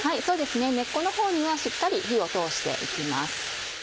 そうですね根っこのほうにはしっかり火を通して行きます。